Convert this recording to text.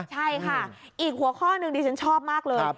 ใช่ค่ะอีกหัวข้อหนึ่งดิฉันชอบมากเลย